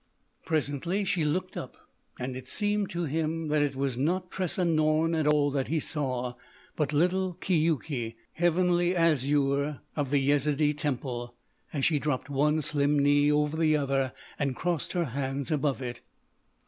Presently she looked up—and it seemed to him that it was not Tressa Norne at all he saw, but little Keuke—Heavenly Azure—of the Yezidee temple, as she dropped one slim knee over the other and crossed her hands above it.